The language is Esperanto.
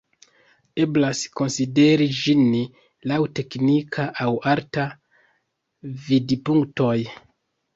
Eblas konsideri ĝin laŭ teknika aŭ arta vidpunktoj.